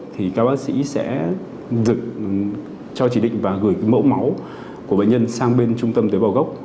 thì các bác sĩ sẽ được cho chỉ định và gửi mẫu máu của bệnh nhân sang bên trung tâm tế bào gốc